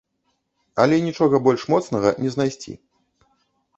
Але нічога больш моцнага не знайсці.